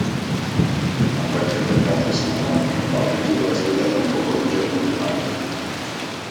Ha poi frequentato il Santa Monica College, dove ha studiato antropologia culturale.